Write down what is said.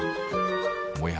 おや？